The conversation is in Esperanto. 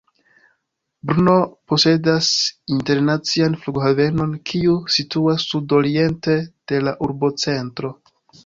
Brno posedas internacian flughavenon, kiu situas sud-oriente de la urbocentro.